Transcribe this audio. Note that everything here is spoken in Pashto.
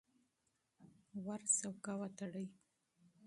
دروازه ورو وتړئ.